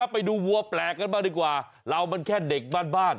ไปดูวัวแปลกกันบ้างดีกว่าเรามันแค่เด็กบ้าน